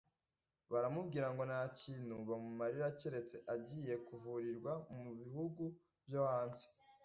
baramubwira ngo nta kintu bamumarira keretse agiye kuvurirwa mu bihugu byo hanze